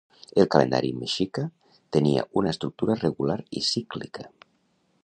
El calendari mexica tenia una estructura regular i cíclica.